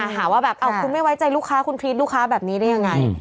หาว่าแบบคุณไม่ไว้ใจลูกค้าคุณพรีดลูกค้าแบบนี้ได้ยังไง